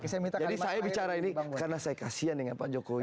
jadi saya bicara ini karena saya kasian dengan pak jokowi